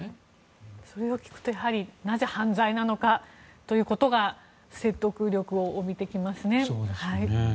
それを聞くとなぜ犯罪なのかということが説得力を帯びてきますね。